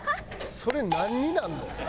それなんになるの？